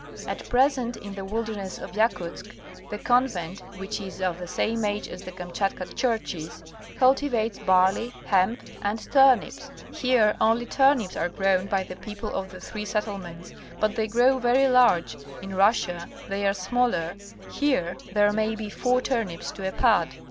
At present in the wilderness of Yakutsk, the convent, which is of the same age as the Kamchatka churches, cultivates barley, hemp and turnips. Here only turnips are grown by the people of the three settlements, but they grow very large, in Russia they are smaller, here there may be four turnips to a pud.